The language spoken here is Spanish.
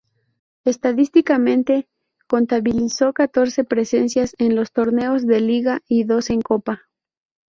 Estadísticamente contabilizó catorce presencias en los torneos de liga y dos en copa.